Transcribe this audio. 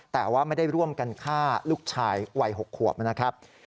แต่ว่าไม่ได้ร่วมกันฆ่าลูกชายวัย๖ขวบนะครับ